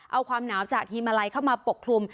เอาความหนาวจากทีมมาลัยเข้ามาปกคลุม